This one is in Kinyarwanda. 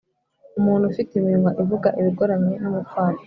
Umuntu ufite iminwa ivuga ibigoramye n umupfapfa